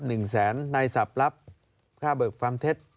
หนึ่งแสนในศัพท์รับค่าเบิกความเท็จ